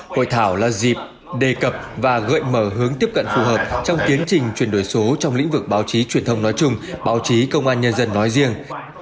hội thảo là dịp đề cập và gợi mở hướng tiếp cận phù hợp trong tiến trình chuyển đổi số trong lĩnh vực báo chí truyền thông nói chung báo chí công an nhân dân nói riêng